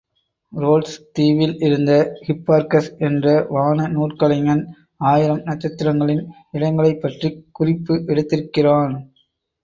Roads தீவில் இருந்த Hipparchus என்ற வான நூற்கலைஞன் ஆயிரம் நட்சத்திரங்களின் இடங்களைப் பற்றிக் குறிப்பு எடுத்திருக்கிறான்.